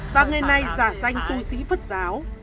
và người này giả danh tu sĩ phật giáo